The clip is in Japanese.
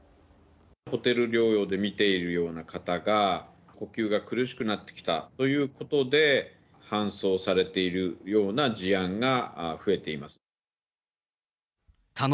ホテル療養で診ているような方が、呼吸が苦しくなってきたということで、搬送されているような事案が増えています。